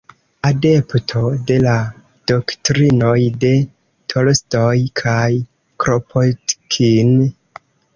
Adepto de la doktrinoj de Tolstoj kaj Kropotkin.